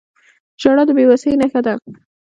• ژړا د بې وسۍ نښه ده.